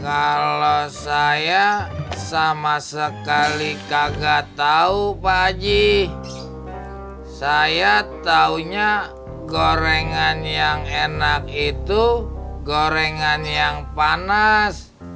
kalau saya sama sekali kagak tahu pak aji saya tahunya gorengan yang enak itu gorengan yang panas